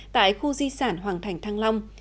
tại khu di sản hoàng thành thăng long